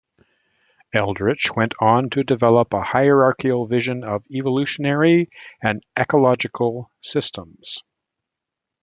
Eldredge went on to develop a hierarchical vision of evolutionary and ecological systems.